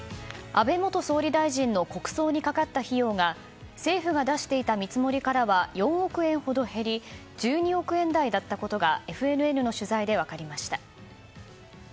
安倍元総理大臣の国葬にかかった費用が政府が出していた見積もりからは４億円ほど減り１２億円台だったことがＦＮＮの取材で分かりました。